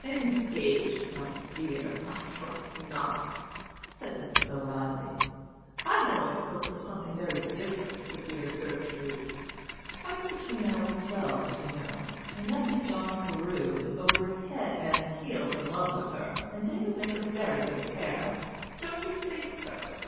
"Engaged, my dear! I trust not," said Mrs. O'Reilly. "I had always hoped for something very different for dear Gertrude. Quite between ourselves, you know, my nephew John Carew is over head and ears in love with her, and they would make a very good pair; don't you think so?"